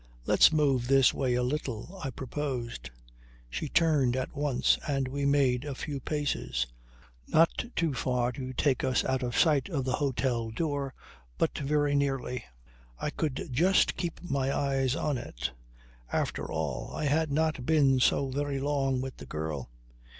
"Let's move this way a little," I proposed. She turned at once and we made a few paces; not too far to take us out of sight of the hotel door, but very nearly. I could just keep my eyes on it. After all, I had not been so very long with the girl.